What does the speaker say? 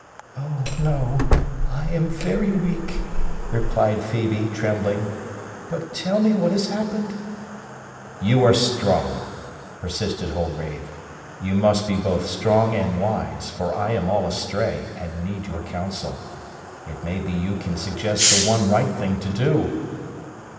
"Oh, no, I am very weak!" replied Phœbe, trembling. "But tell me what has happened!" "You are strong!" persisted Holgrave. "You must be both strong and wise; for I am all astray, and need your counsel. It may be you can suggest the one right thing to do!"